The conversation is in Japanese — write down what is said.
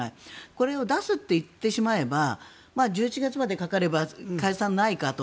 これを出すって言ってしまえば１１月までかかれば解散ないかと。